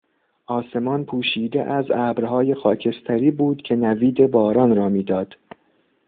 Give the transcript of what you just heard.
آسمان پوشیده از ابرهای خاکستری بود که نوید باران را میداد